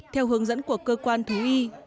theo hướng dẫn của cơ quan thú y